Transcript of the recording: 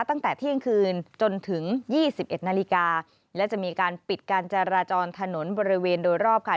ตั้งแต่เที่ยงคืนจนถึงยี่สิบเอ็ดนาฬิกาและจะมีการปิดการจราจรถนนบริเวณโดยรอบค่ะ